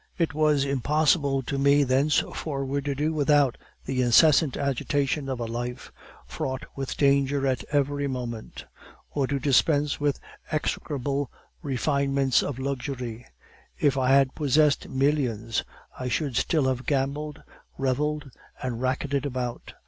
It was impossible to me thenceforward to do without the incessant agitation of a life fraught with danger at every moment, or to dispense with the execrable refinements of luxury. If I had possessed millions, I should still have gambled, reveled, and racketed about.